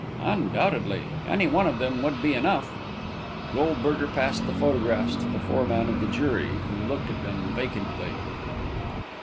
"Undoubtedly. Any one of them would be enough." Goldberger passed the photographs to the foreman of the jury, who looked at them vacantly.